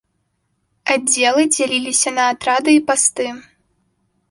Аддзелы дзяліліся на атрады і пасты.